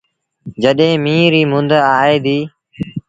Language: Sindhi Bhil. جڏهيݩ ميݩهن ريٚ مند آئي ديٚ۔